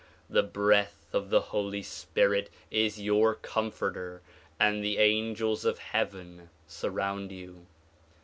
The breath of the Holy Spirit is your comforter and the angels of heaven sun^ound you.